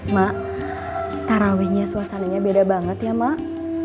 mak tarawihnya suasananya beda banget ya mak